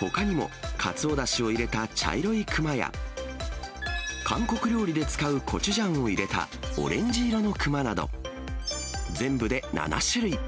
ほかにも、かつおだしを入れた茶色いくまや、韓国料理で使うコチュジャンを入れたオレンジ色のくまなど、全部で７種類。